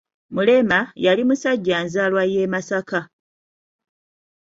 Mulema, yali musajja nzaalwa y'e Masaka.